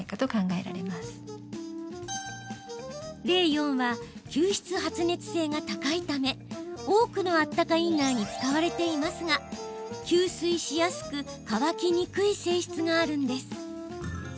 レーヨンは吸湿発熱性が高いため多くのあったかインナーに使われていますが吸水しやすく乾きにくい性質があるんです。